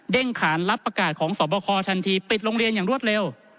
ขานรับประกาศของสอบคอทันทีปิดโรงเรียนอย่างรวดเร็ว